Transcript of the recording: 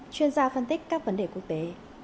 chuyên gia phân tích các vấn đề quốc tế